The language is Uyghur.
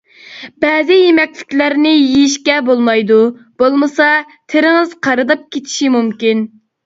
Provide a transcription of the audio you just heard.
بەزى يېمەكلىكلەرنى يېيىشكە بولمايدۇ، بولمىسا تېرىڭىز قارىداپ كېتىشى مۇمكىن.